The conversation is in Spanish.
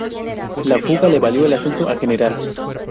La fuga le valió el ascenso a general.